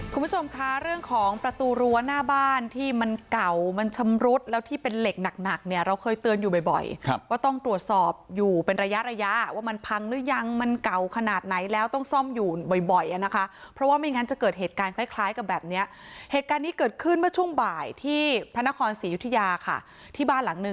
คุณผู้ชมคะเรื่องของประตูรั้วหน้าบ้านที่มันเก่ามันชำรุดแล้วที่เป็นเหล็กหนักหนักเนี่ยเราเคยเตือนอยู่บ่อยบ่อยว่าต้องตรวจสอบอยู่เป็นระยะระยะว่ามันพังหรือยังมันเก่าขนาดไหนแล้วต้องซ่อมอยู่บ่อยบ่อยอ่ะนะคะเพราะว่าไม่งั้นจะเกิดเหตุการณ์คล้ายคล้ายกับแบบเนี้ยเหตุการณ์นี้เกิดขึ้นเมื่อช่วงบ่ายที่พระนครศรียุธยาค่ะที่บ้านหลังหนึ่ง